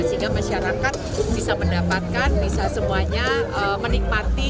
sehingga masyarakat bisa mendapatkan bisa semuanya menikmati